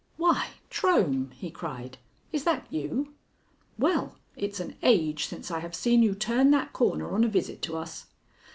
"Why, Trohm," he cried, "is that you? Well, it's an age since I have seen you turn that corner on a visit to us."